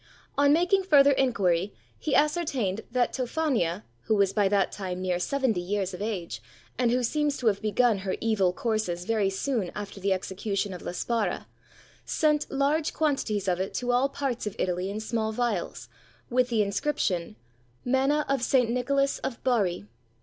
On making further inquiry, he ascertained that Tophania (who was by this time near seventy years of age, and who seems to have begun her evil courses very soon after the execution of La Spara,) sent large quantities of it to all parts of Italy in small vials, with the inscription, "Manna of St. Nicholas of Barri."